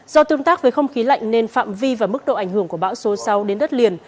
do tương tác với không khí lạnh nên phạm vi và mức độ ảnh hưởng của bão số sáu đến đất liền